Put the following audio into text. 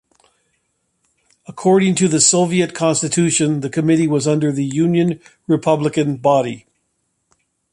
According to the Soviet Constitution the committee was under the Union-Republican body.